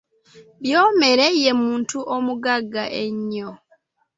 Byomere ye muntu omugagga ennyo.